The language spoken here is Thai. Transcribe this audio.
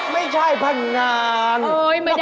ไม่ใช่ผ่านงาน